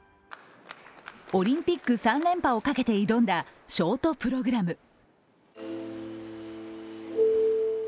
オリンピック３連覇をかけて挑んだショートプログラム。